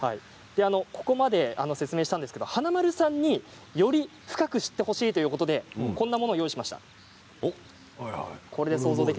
ここまで説明しましたけど華丸さんにより深く知ってほしいということでこんなものを用意しました。